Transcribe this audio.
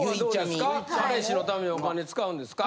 彼氏の為にお金使うんですか。